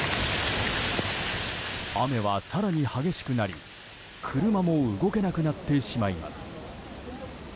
雨は更に激しくなり車も動けなくなってしまいます。